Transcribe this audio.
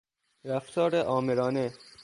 رفتار آمرانه